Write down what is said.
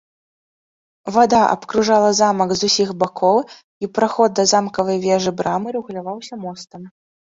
Вада абкружала замак з усіх бакоў і праход да замкавай вежы-брамы рэгуляваўся мостам.